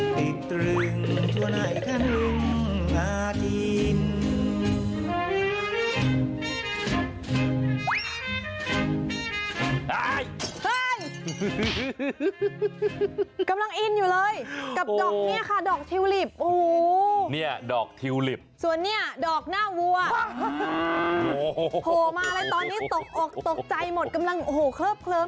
ติดตรึงชัวร์ไหนขนึงหน้าจีน